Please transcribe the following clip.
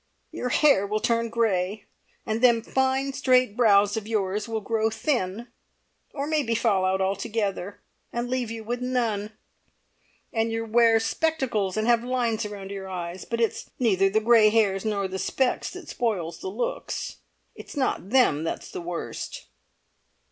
"Your hair will turn grey, and them fine straight brows of yours will grow thin, or maybe fall out altogether, and leave you with none. An' you'll wear spectacles, and have lines round your eyes. But it's neither the grey hairs nor the specs that spoils the looks. It's not them that's the worst!"